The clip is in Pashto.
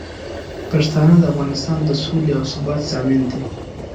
پښتانه د افغانستان د سولې او ثبات ضامن دي.